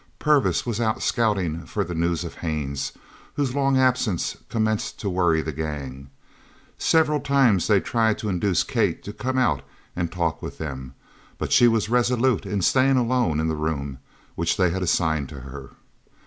Purvis was out scouting for the news of Haines, whose long absence commenced to worry the gang. Several times they tried to induce Kate to come out and talk with them, but she was resolute in staying alone in the room which they had assigned to her.